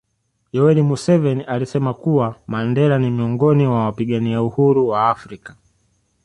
Yoweri Museveni alisema kuwa Mandela ni miongoni wapigania uhuru wa afrika